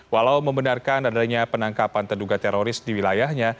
walau membenarkan adanya penangkapan terduga teroris di wilayahnya